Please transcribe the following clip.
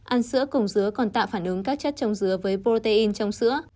ăn sữa cùng dứa còn tạo phản ứng các chất chống dứa với protein trong sữa